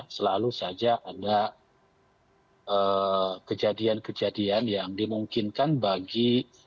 selalu saja ada kejadian kejadian yang dimungkinkan bagi